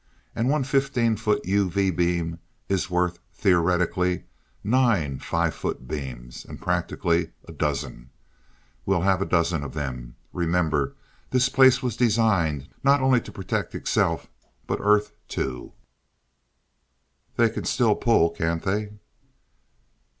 And one fifteen foot UV beam is worth, theoretically, nine five foot beams, and practically, a dozen. We have a dozen of them. Remember, this place was designed not only to protect itself, but Earth, too." "They can still pull, can't they?"